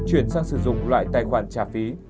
chuyển sang sử dụng loại tài khoản trả phí